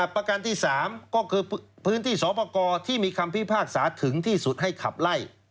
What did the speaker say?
ประกันที่๓ก็คือพื้นที่สอบประกอบที่มีคำพิพากษาถึงที่สุดให้ขับไล่